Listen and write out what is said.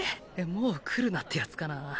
もう来るなってやつかな。